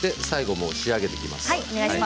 最後、仕上げていきます。